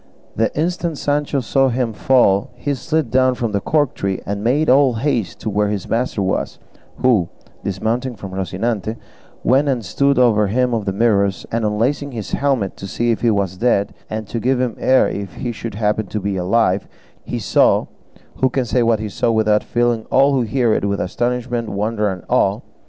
The instant Sancho saw him fall he slid down from the cork tree, and made all haste to where his master was, who, dismounting from Rocinante, went and stood over him of the Mirrors, and unlacing his helmet to see if he was dead, and to give him air if he should happen to be alive, he saw who can say what he saw, without filling all who hear it with astonishment, wonder, and awe?